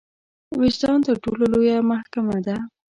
وجدان تر ټولو لويه محکمه ده.